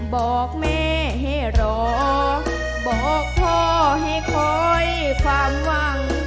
บอกแม่ให้รอบอกพ่อให้คอยความหวัง